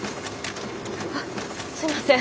あっすいません。